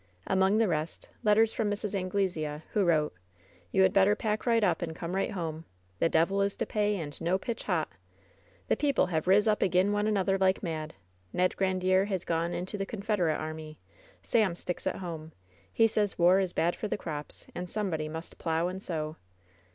Among the rest, letters from Mrs. Anglesea, who wrote: "You had better pack right up and come right home. The devil is to pay, and no pitch hot!' The people WHEN SHADOWS DIE 17 have riz up ag'in' one another like mad. Ned Grandiere has gone into the Confederate Army. Sam sticks at home. He says war is bad for the crops, and somebody must plow and sow.